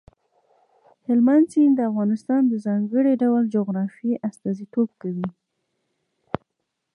هلمند سیند د افغانستان د ځانګړي ډول جغرافیې استازیتوب کوي.